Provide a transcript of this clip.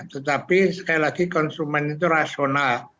tetapi sekali lagi konsumen itu rasional